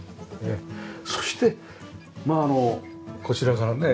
そしてまあこちらからね